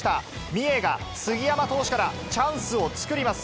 三重が杉山投手からチャンスを作ります。